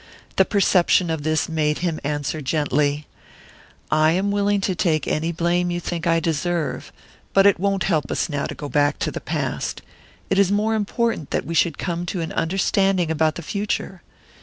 The perception of this made him answer gently: "I am willing to take any blame you think I deserve; but it won't help us now to go back to the past. It is more important that we should come to an understanding about the future.